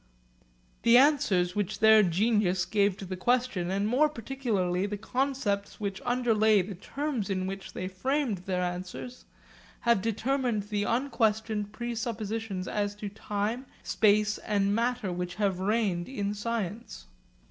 The answers which their genius gave to this question, and more particularly the concepts which underlay the terms in which they framed their answers, have determined the unquestioned presuppositions as to time, space and matter which have reigned in science.